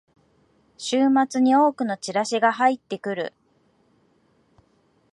週末に多くのチラシが入ってくる